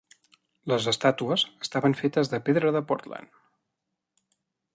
Les estàtues estaven fetes de pedra de Portland.